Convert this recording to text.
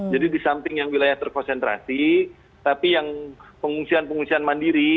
jadi di samping yang wilayah terkonsentrasi tapi yang pengungsian pengungsian mandiri